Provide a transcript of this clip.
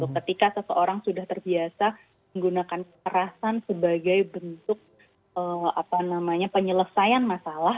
ketika seseorang sudah terbiasa menggunakan perasaan sebagai bentuk penyelesaian masalah